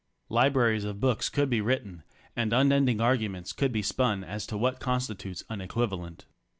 Libraries of books could be written, and unending arguments could be spun as to what constitutes an "equivalent."